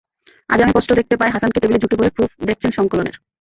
আজও আমি স্পষ্ট দেখতে পাই হাসানকে, টেবিলে ঝুঁকে পড়ে প্রুফ দেখছেন সংকলনের।